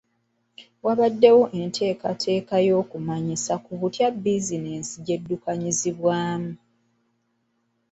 Waabaddewo enteekateeka y'okumanyisa ku butya bizinensi gye ziddukanyizibwamu.